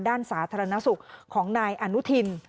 ด้านสาธารณสุขของนายอนุทิน